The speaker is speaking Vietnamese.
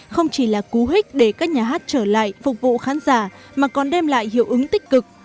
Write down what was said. không chỉ là cú hích để các nhà hát trở lại phục vụ khán giả mà còn đem lại hiệu ứng tích cực